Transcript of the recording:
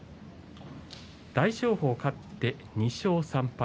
大翔鵬、勝って２勝３敗。